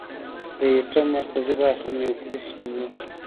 د ایټم مرکزي برخه نیوکلیس نومېږي.